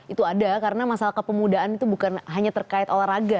itu ada karena masalah kepemudaan itu bukan hanya terkait olahraga